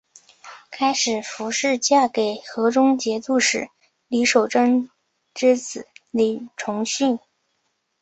开始符氏嫁给河中节度使李守贞之子李崇训。